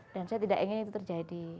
dan saya tidak ingin itu terjadi